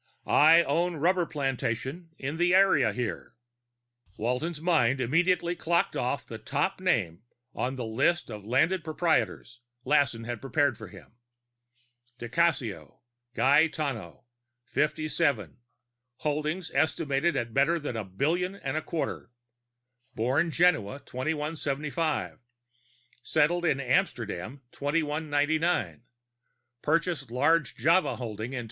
I own rubber plantation in the area here." Walton's mind immediately clocked off the top name on the list of landed proprietors Lassen had prepared for him: _di Cassio, Gaetano. 57. Holdings estimated at better than a billion and a quarter. Born Genoa 2175, settled in Amsterdam 2199. Purchased large Java holding 2211.